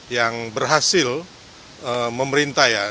yang berhasil memerintah ya